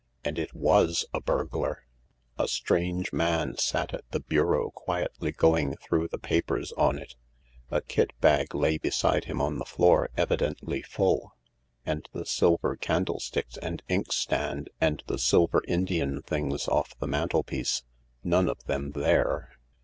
And it was a burglar 1 278 THE LARK A strange man sat at the bureau quietly going through the papers on it. A kit bag lay beside him on the floor, evidently full. And the silver candlesticks and inkstand and the silver Indian things off the mantelpiece — none of them there.